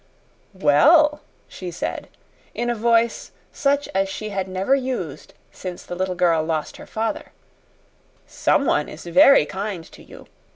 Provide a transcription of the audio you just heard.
"Well," she said, in a voice such as she had never used since the little girl lost her father, "someone is very kind to you.